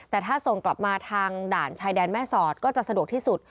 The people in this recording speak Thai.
แต่ถ้าส่งกลับมาทางด่านชายแดนแม่สอดก็จะสะดวกที่สุด